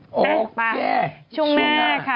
โอ้โฮเป็ดไปชูงแม่ค่ะ